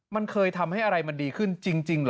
มันเคยทำให้อะไรมันดีขึ้นจริงเหรอ